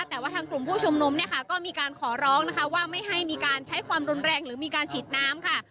แต่ว่าทางกลุ่มผู้ชุมนุมเนี่ยค่ะก็มีการขอร้องนะคะว่าไม่ให้มีการใช้ความรุนแรงหรือมีการฉีดน้ำค่ะ